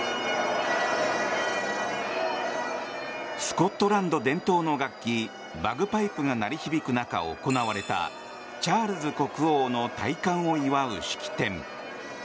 スコットランド伝統の楽器バグパイプが鳴り響く中、行われたチャールズ国王の戴冠を祝う式典。